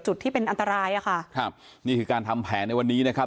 จุดที่เป็นอันตรายอ่ะค่ะครับนี่คือการทำแผนในวันนี้นะครับ